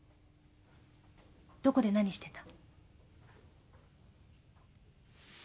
どこで何してた？